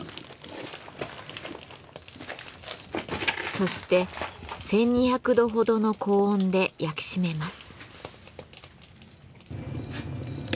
そして１，２００度ほどの高温で焼き締めます。